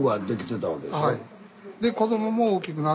はい。